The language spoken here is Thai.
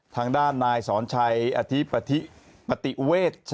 ทางด้านนายสอนชัยอธิปติเวช